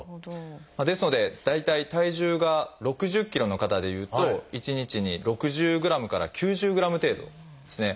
ですので大体体重が６０ｋｇの方でいうと一日に６０ｇから９０ｇ程度ですね。